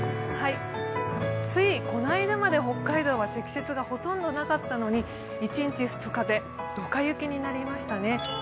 ついこの間まで北海道は積雪がなかったのに一日二日でドカ雪になりましたね。